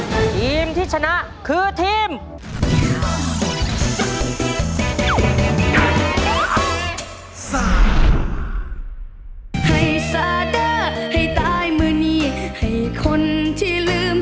ทีมที่ชนะคือทีม